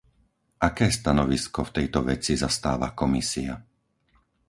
Aké stanovisko v tejto veci zastáva Komisia?